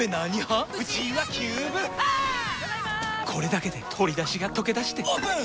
これだけで鶏だしがとけだしてオープン！